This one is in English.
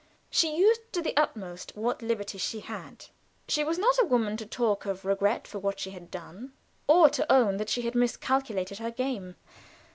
She used to the utmost what liberty she had. She was not a woman to talk of regret for what she had done, or to own that she had miscalculated her game.